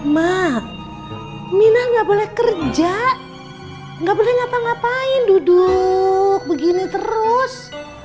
mak mina gak boleh kerja gak boleh ngapa ngapain duduk begini terus